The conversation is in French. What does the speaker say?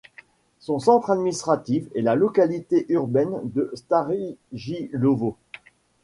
Son centre administratif est la localité urbaine de Starojilovo.